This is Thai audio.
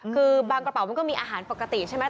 คือบางกระเป๋ามันก็มีอาหารปกติใช่ไหม